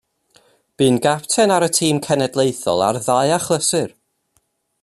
Bu'n gapten ar y tîm cenedlaethol ar ddau achlysur.